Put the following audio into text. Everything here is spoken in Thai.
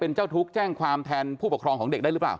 เจ้าทุกข์แจ้งความแทนผู้ปกครองของเด็กได้หรือเปล่า